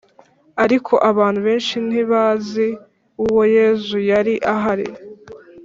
Ariko abantu benshi ntibazi uwo Yesu yari ahari